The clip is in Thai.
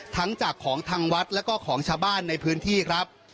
ทั้งจากของทางวัดแล้วก็ของชาวบ้านในพื้นที่ครับ